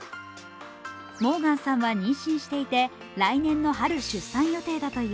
モーガンさんは妊娠していて、来年の春、出産予定だという。